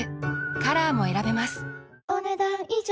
カラーも選べますお、ねだん以上。